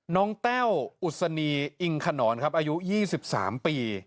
แต้วอุศนีอิงขนอนครับอายุ๒๓ปี